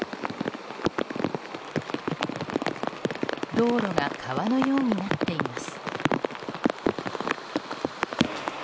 道路が川のようになっています。